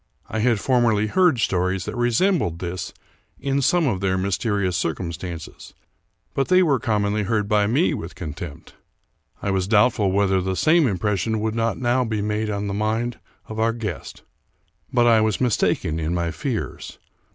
I had formerly heard stories that resembled this in some of their mysterious circumstances ; but they were commonly heard by me with contempt. I was doubtful whether the 245 American Mystery Stories same impression would not now be made on the mind of our guest; but I was mistaken in my fears.